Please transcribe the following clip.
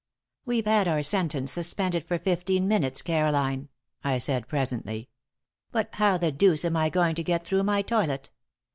"We've had our sentence suspended for fifteen minutes, Caroline," I said, presently. "But how the deuce am I going to get through my toilet?